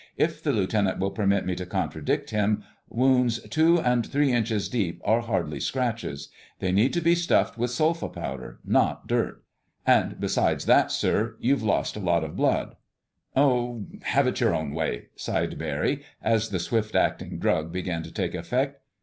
"If the Lieutenant will permit me to contradict him, wounds two and three inches deep are hardly scratches. They need to be stuffed with sulfa powder—not dirt. And besides that, sir, you've lost a lot of blood." "Oh, have it your own way," sighed Barry, as the swift acting drug began to take effect.